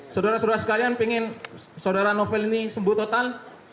saudara saudara sekalian ingin saudara novel ini sembuh total